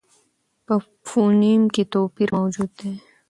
په فونېم کې توپیر موجود دی.